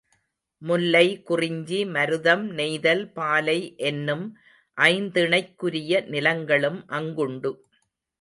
முல்லை, குறிஞ்சி, மருதம், நெய்தல், பாலை என்னும் ஐந்திணைக்குரிய நிலங்களும் அங்குண்டு.